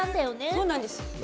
そうなんです。